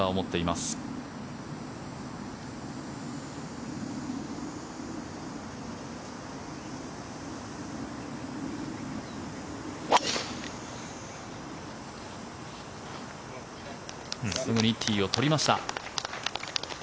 すぐにティーを取りました。